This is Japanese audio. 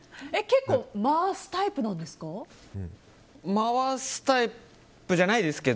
結構、回すタイプなんですか？